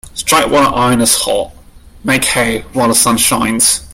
Strike while the iron is hot Make hay while the sun shines.